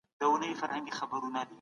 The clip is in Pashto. سياسي ګوندونه د دولت سره سيالي کوي.